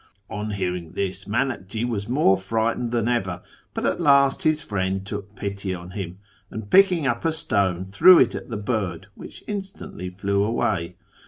"'" On hearing this Miinakji was more frightened than ever ; but at last his friend took pity on him, and picking up a stone threw it at the bird, which instantly flew away.